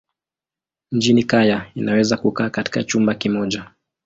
Mjini kaya inaweza kukaa katika chumba kimoja.